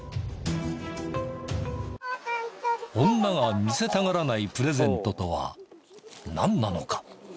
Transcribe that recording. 女が見せたがらないプレゼントとはなんなのか。